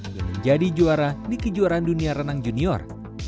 dan menjadi juara di kejuaraan dunia renang junior